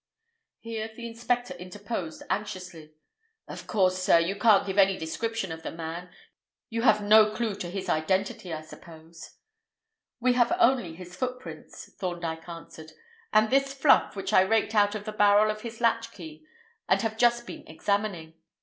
Here the inspector interposed anxiously. "Of course, sir, you can't give any description of the man. You have no clue to his identity, I suppose?" "We have only his footprints," Thorndyke answered, "and this fluff which I raked out of the barrel of his latchkey, and have just been examining.